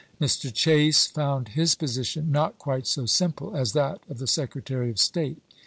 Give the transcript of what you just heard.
Mr. Chase found his position not quite so simple as that of the Secretary of State.